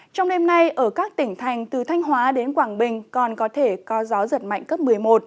trong đêm nay ở các tỉnh thành từ thanh hóa đến quảng bình còn có thể có gió giật mạnh cấp một mươi một